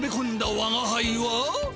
わがはいは。